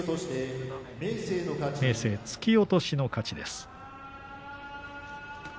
明生、突き落としの勝ちです。